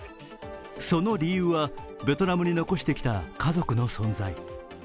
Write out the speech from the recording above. その理由はベトナムに残してきた家族の存在。